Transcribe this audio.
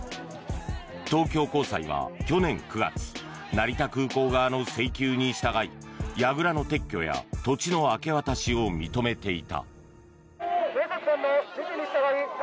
東京高裁は去年９月成田空港側の請求に従いやぐらの撤去や土地の明け渡しを認めていた。